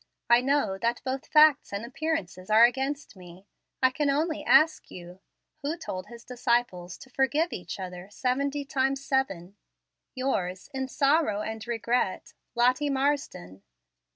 I know that both facts and appearances are against me. I can only ask you, Who told His disciples to forgive each other, 'seventy times seven'? "Yours, in sorrow and regret, "LOTTIE MARSDEN."